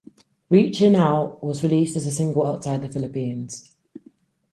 "Reachin' Out" was released as a single outside the Philippines.